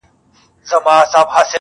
هغه بل موږك را ودانگل ميدان ته-